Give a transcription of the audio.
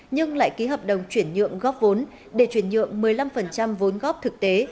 nhưng lại ký hợp đồng chuyển nhượng góp vốn để chuyển nhượng một mươi năm vốn góp thực tế